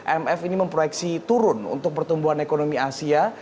imf ini memproyeksi turun untuk pertumbuhan ekonomi asia